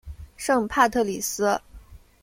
圣帕特里斯。